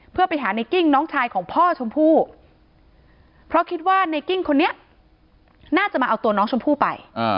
เพื่อไปหาในกิ้งน้องชายของพ่อชมพู่เพราะคิดว่าในกิ้งคนนี้น่าจะมาเอาตัวน้องชมพู่ไป